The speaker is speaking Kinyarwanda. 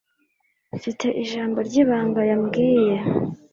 Mfite ijambo ryibanga yambwiye.